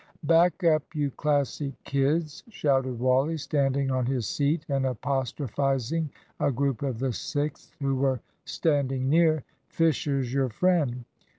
"Back up, you Classic kids!" shouted Wally, standing on his seat and apostrophising a group of the Sixth who were standing near. "Fisher's your friend!